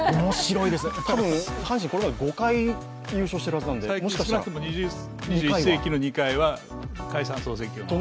多分、阪神、これまで５回優勝してるはずなんで、もしかしたら最近、少なくとも２１世紀の２回は解散総選挙。